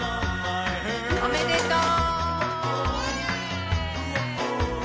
おめでとう。